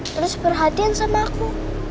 terus perhatian sama aku